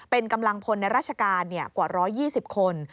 เป็นกำลังพลในราชการกว่า๑๒๐คน